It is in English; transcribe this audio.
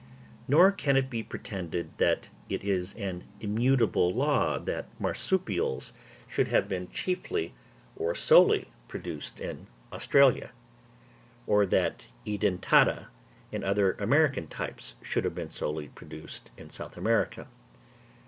Nor can it be pretended that it is an immutable law that marsupials should have been chiefly or solely produced in Australia; or that Edentata and other American types should have been solely produced in South America.